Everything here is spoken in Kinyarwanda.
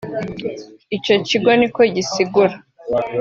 ico kigo niko gisigura